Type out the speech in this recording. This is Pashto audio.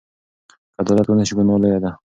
که عدالت ونشي، ګناه لویه ده.